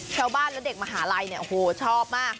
ชาวบ้านและเด็กมหาลัยเนี่ยโอ้โหชอบมาก